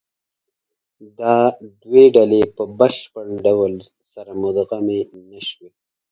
دا دوې ډلې په بشپړ ډول سره مدغمې نهشوې.